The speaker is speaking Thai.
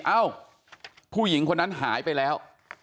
เอ้าผู้หญิงคนนั้นหายไปแล้ว